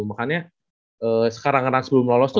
makanya sekarang rans belum lolos tuh